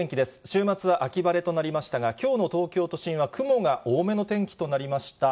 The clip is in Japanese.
週末は秋晴れとなりましたが、きょうの東京都心は雲が多めの天気となりました。